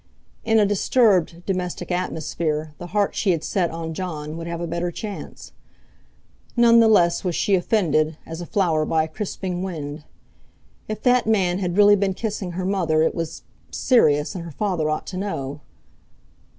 In a disturbed domestic atmosphere the heart she had set on Jon would have a better chance. None the less was she offended, as a flower by a crisping wind. If that man had really been kissing her mother it was—serious, and her father ought to know.